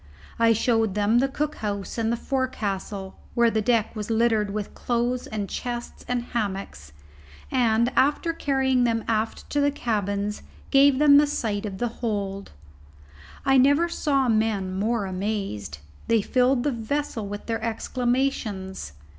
I showed them the cook house and the forecastle, where the deck was still littered with clothes, and chests, and hammocks; and, after carrying them aft to the cabins, gave them a sight of the hold. I never saw men more amazed. They filled the vessel with their exclamations.